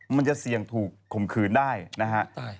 มันจะเสี่ยงถูกข่มขืนได้นะฮะ